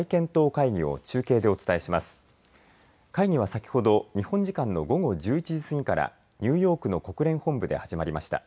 会議は先ほど、日本時間の午後１１時過ぎからニューヨークの国連本部で始まりました。